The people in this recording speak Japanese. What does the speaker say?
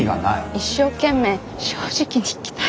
一生懸命正直に生きたい。